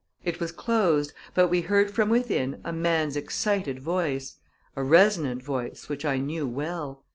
It was closed, but we heard from within a man's excited voice a resonant voice which I knew well.